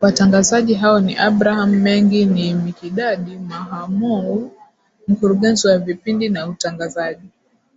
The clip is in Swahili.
Watangazaji hao ni Abraham Mengi ni Mikidadi Mahamou Mkurugenzi wa Vipindi na Utangazaji